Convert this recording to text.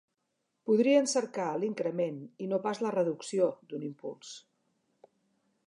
Podrien cercar l'increment, i no pas la reducció, d'un impuls.